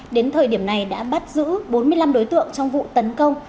đến thời điểm này đã bắt giữ bốn mươi năm đối tượng trong vụ tấn công